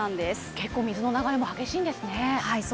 結構水の流れも激しいんですね。